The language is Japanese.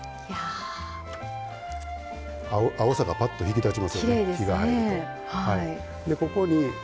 青さが、ぱっと引き立ちますね火が入って。